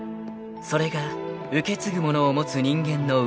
［それが受け継ぐものを持つ人間の運命］